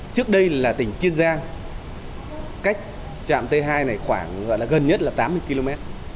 trước đây là tỉnh kiên giang cách trạm t hai này gần nhất là tám mươi km